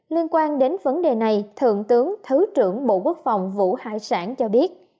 liên quan đến vấn đề này thượng tướng thứ trưởng bộ quốc phòng vũ hải sản cho biết